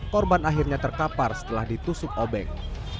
korban akhirnya terkapar setelah ditusuk obeng